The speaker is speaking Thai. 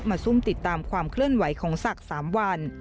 ซุ่มติดตามความเคลื่อนไหวของศักดิ์๓วัน